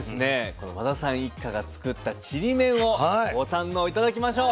この和田さん一家が作ったちりめんをご堪能頂きましょう。